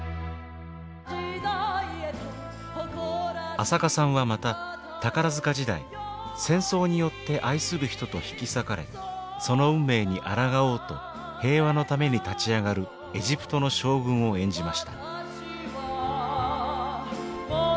朝夏さんはまた宝塚時代戦争によって愛する人と引き裂かれその運命に抗おうと平和のために立ち上がるエジプトの将軍を演じました。